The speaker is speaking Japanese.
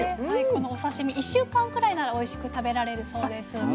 このお刺身１週間くらいならおいしく食べられるそうです。